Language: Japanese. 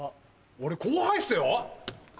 俺後輩っすよ。